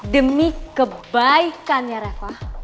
demi kebaikannya reva